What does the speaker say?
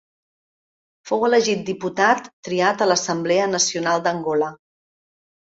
Fou elegit diputat triat a l'Assemblea Nacional d'Angola.